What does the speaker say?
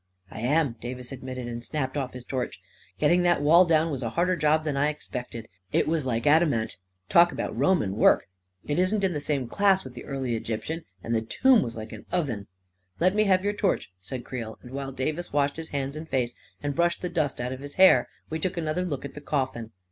" I am," Davis admitted, and snapped off his torch. u Getting that wall down was a harder joB than I expected. It was like adamant — talk about Roman work — it isn't in the same class with the early Egyptian ! And the tomb was like an oven 1 "" Let me have your torch," said Creel; and while Davis washed his hands and face and brushed the dust out of his hair we took another look at the coffin.